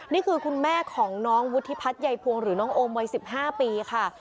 นี่คือคุณแม่ของน้องวุฒิพัฒน์ใยพวงหรือน้องโอมวัย๑๕ปีค่ะ